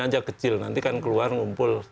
aja kecil nanti kan keluar ngumpul